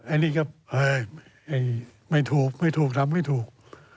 อันนี้ก็ไม่ถูกไม่ถูกทำไม่ถูก